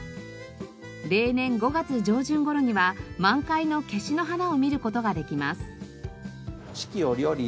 例年５月上旬頃には満開のケシの花を見る事ができます。